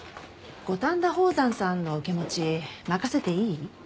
五反田宝山さんの受け持ち任せていい？